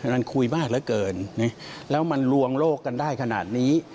มันคุยมากเหลือเกินแล้วมันลวงโลกกันได้ขนาดนี้